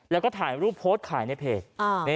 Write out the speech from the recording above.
แล้วก็ถ่ายรูปโพสต์ขายในเพจ